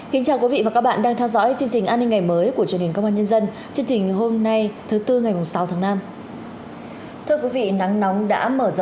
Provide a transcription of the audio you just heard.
hãy đăng ký kênh để ủng hộ kênh của chúng mình nhé